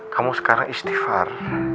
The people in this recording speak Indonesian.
kamu sekarang istighfar